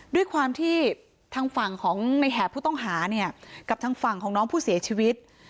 ด้วยความที่ทางฝั่งของในแหบผู้ต้องหาเนี่ยกับทางฝั่งของน้องผู้เสียชีวิต